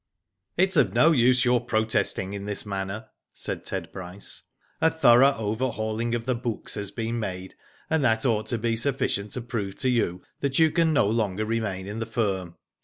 ''It is of no use your protesting in this manner," said Ted Bryce. ''A thorough overhaul ing of the books has been made, and that ought to be sufficient to prove to you that you can no longer remain in the firm.